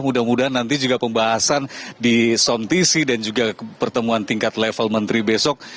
mudah mudahan nanti juga pembahasan di sontisi dan juga pertemuan tingkat level menteri besok